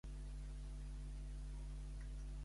Què va suggerir-li a Zeus que fes?